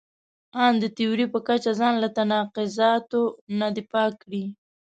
ان د تیوري په کچه ځان له تناقضاتو نه دی پاک کړی.